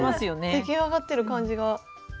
出来上がってる感じが。